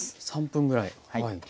３分ぐらいはい。